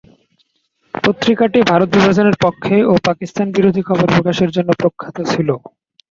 পত্রিকাটি ভারত বিভাজনের পক্ষে ও পাকিস্তান বিরোধী খবর প্রকাশের জন্য প্রখ্যাত ছিল।